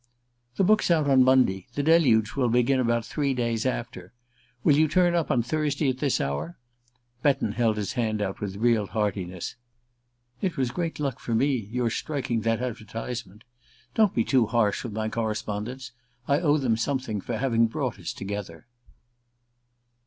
"The book's out on Monday. The deluge will begin about three days after. Will you turn up on Thursday at this hour?" Betton held his hand out with real heartiness. "It was great luck for me, your striking that advertisement. Don't be too harsh with my correspondents I owe them something for having brought us together."